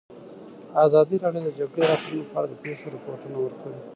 ازادي راډیو د د جګړې راپورونه په اړه د پېښو رپوټونه ورکړي.